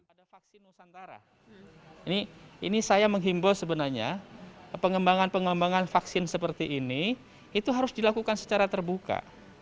ada vaksin nusantara ini saya menghimbau sebenarnya pengembangan pengembangan vaksin seperti ini itu harus dilakukan secara terbuka